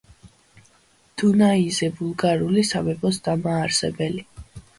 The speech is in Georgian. დუნაიზე ბულგარული სამეფოს დამაარსებელი.